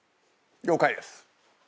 了解です。